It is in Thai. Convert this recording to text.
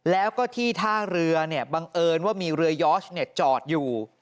แล้วก็ที่ท่าเรือบังเอิญว่ามีเรือยอร์ชจอดอยู่